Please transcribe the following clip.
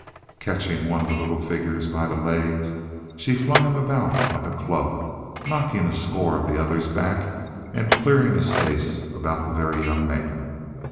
Catching one of the little figures by the legs she flung him about like a club, knocking a score of the others back and clearing a space about the Very Young Man.